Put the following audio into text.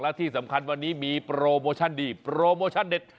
และที่สำคัญวันนี้มีโปรโมชั่นดีโปรโมชั่นเด็ด